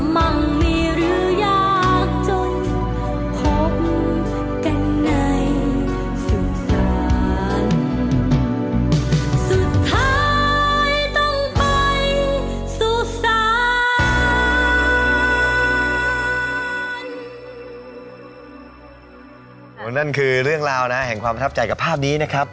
นั่นคือเรื่องราวนะแห่งความประทับใจกับภาพนี้นะครับ